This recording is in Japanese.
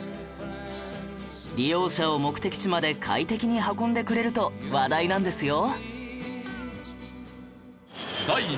利用者を目的地まで快適に運んでくれると話題なんですよ！